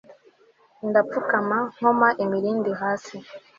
ndapfukama nkoma imilindi hasi